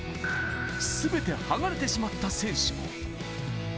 全て剥がれてしまった選手も。